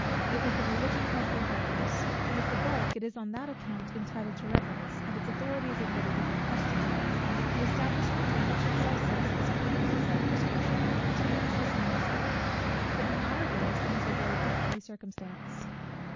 It was the Religion of our forefathers: with the bulk it is on that account entitled to reverence, and its authority is admitted without question. The establishment in which it subsists pleads the same prescription, and obtains the same respect. But in our days, things are very differently circumstanced.